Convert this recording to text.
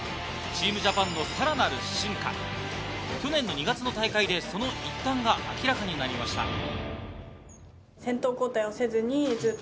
チームジャパンのさらなる進化、去年の２月の大会で、その一端が明らかになりました。